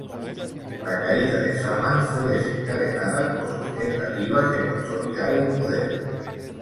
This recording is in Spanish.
La caída de Zaman fue desencadenada por sus tentativas de consolidar el poder.